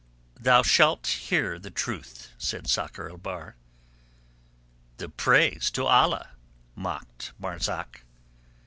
"Thou shalt hear the truth," said Sakr el Bahr. "The praise to Allah!" mocked Marzak.